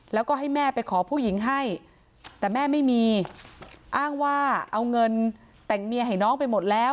แล้วก็ให้แม่ไปขอผู้หญิงให้แต่แม่ไม่มีอ้างว่าเอาเงินแต่งเมียให้น้องไปหมดแล้ว